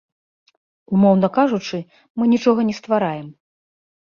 Умоўна кажучы, мы нічога не ствараем.